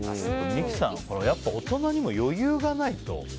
三木さんやっぱ大人にも余裕がないと。